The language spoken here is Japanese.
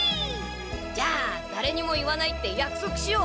じゃあだれにも言わないってやくそくしよう！